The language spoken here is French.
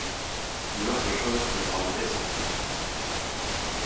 Une autre chose me semble essentielle.